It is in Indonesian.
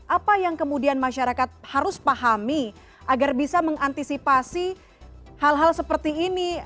apa yang kemudian masyarakat harus pahami agar bisa mengantisipasi hal hal seperti ini